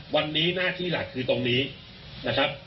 วันนี้หน้าที่หลักคือตรงนี้นะครับ